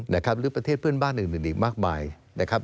หรือประเทศเพื่อนบ้านอื่นมากมาย